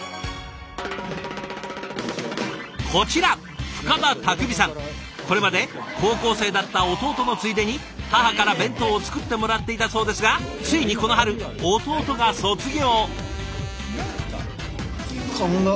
こちらこれまで高校生だった弟のついでに母から弁当を作ってもらっていたそうですがついにこの春弟が卒業。